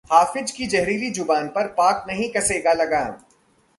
हाफिज की जहरीली जुबान पर पाक नहीं कसेगा लगाम